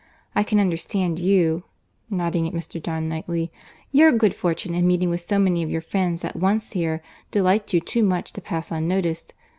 I can understand you—(nodding at Mr. John Knightley)—your good fortune in meeting with so many of your friends at once here, delights you too much to pass unnoticed.